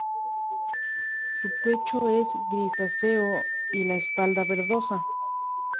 Su pecho es grisáceo y la espalda verdosa.